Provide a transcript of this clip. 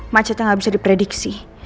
macetnya gak bisa diprediksi